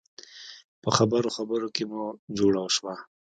په خبرو خبرو کې مو جوړه شوه.